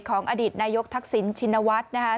อดีตนายกทักษิณชินวัฒน์นะคะ